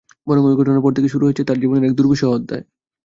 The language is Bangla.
বরং ওই ঘটনার পর থেকে শুরু হয়েছে তাঁর জীবনের এক দুর্বিষহ অধ্যায়।